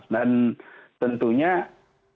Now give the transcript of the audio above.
dan tentunya ini adalah untuk perbaikan kedepannya